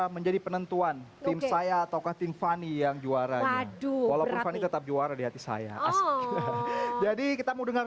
menjadi penentu lan tim saya atau katin funny yang juara waduh teman tetap juara dihati saya karate timkanat